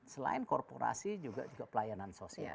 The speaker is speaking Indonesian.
selain korporasi juga pelayanan sosial